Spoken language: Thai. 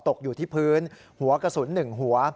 ตกอยู่ที่พื้นหัวกระสุน๑หัว